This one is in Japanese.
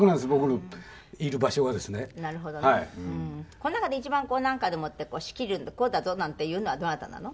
この中で一番なんかでもって仕切るってこうだぞなんていうのはどなたなの？